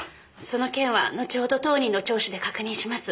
その件は後ほど当人の聴取で確認します。